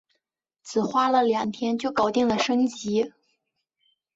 只花了两天就搞定了升级